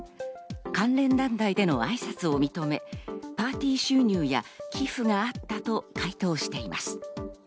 関連団体での挨拶を認め、パーティー収入や寄付があったと回答しています。